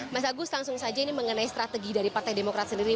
mas agus langsung saja ini mengenai strategi dari partai demokrat sendiri